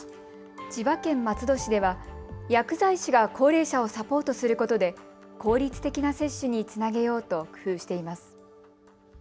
千葉県松戸市では薬剤師が高齢者をサポートすることで効率的な接種につなげようと工夫しています。